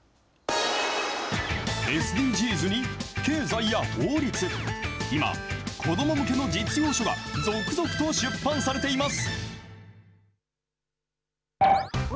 ＳＤＧｓに経済や法律、今、子ども向けの実用書が続々と出版されています。